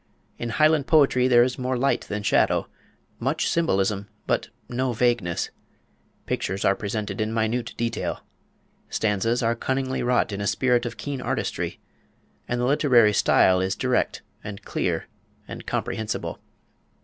In Highland poetry there is more light than shadow, much symbolism, but no vagueness; pictures are presented in minute detail; stanzas are cunningly wrought in a spirit of keen artistry; and the literary style is direct and clear and comprehensible.